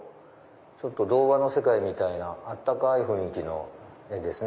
ちょっと童話の世界みたいな温かい雰囲気の絵ですね。